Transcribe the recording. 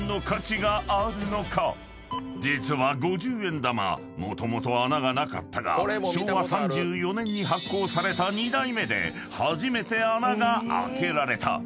［実は五十円玉もともと穴がなかったが昭和３４年に発行された２代目で初めて穴が開けられた］